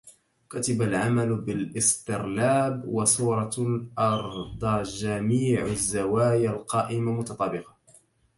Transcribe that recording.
كتب العمل بالإسطرلاب وصورة الأرضجميع الزوايا القائمة متطابقة